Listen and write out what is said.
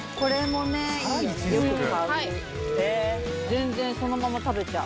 全然そのまま食べちゃう。